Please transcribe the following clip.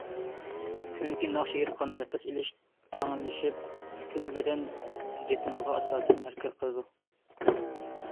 چۈنكى ناخشا ئېيتقاندا نەپەس ئېلىش تەڭلىشىپ، پۈتۈن بەدەن رىتىمىغا ئاساسەن ھەرىكەت قىلىدۇ.